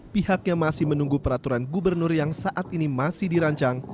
pihaknya masih menunggu peraturan gubernur yang saat ini masih dirancang